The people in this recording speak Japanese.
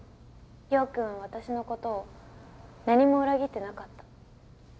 陽君は私のことを何も裏切ってなかった。